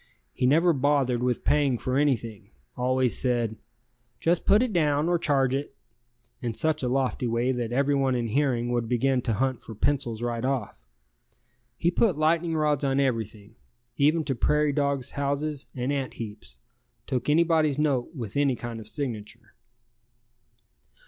He never bothered with paying for anything, always said, "Just put it down, or charge it," in such a lofty way that everyone in hearing would begin to hunt for pencils right off. He put lightning rods on everything, even to prairie dogs' houses and ant heaps, took anybody's note with any kind of signature.